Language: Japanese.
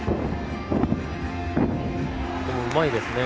うまいですね。